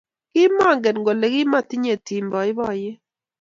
kimongen kole kimatinyei tim boiboiyet